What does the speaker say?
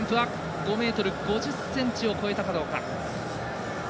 ５ｍ５０ｃｍを超えたかどうか。